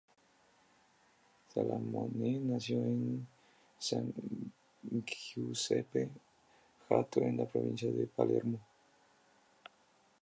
Salamone nació San Giuseppe Jato en la provincia de Palermo.